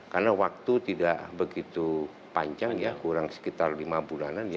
karena waktu tidak begitu panjang ya kurang sekitar lima bulanan ya